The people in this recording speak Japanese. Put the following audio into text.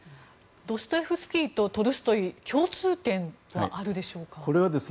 ドストエフスキーとトルストイに共通点はあるでしょうか？